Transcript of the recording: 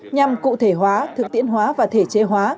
nhằm cụ thể hóa thực tiễn hóa và thể chế hóa